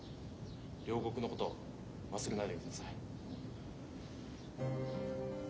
両国のこと忘れないでください。